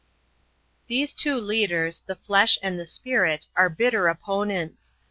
These two leaders, the flesh and the Spirit, are bitter opponents.